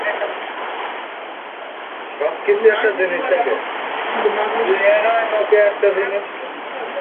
হা করে তাকিয়ে থাকিস না, যা এক কাপ চা নিয়ে আয়।